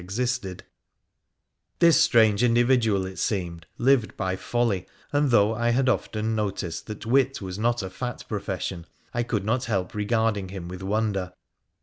x This strange individual, it seemed, lived by folly, and, though I had often noticed that wit was not a fat profession, I could not help regarding him with wonder.